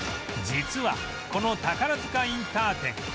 実はこの宝塚インター店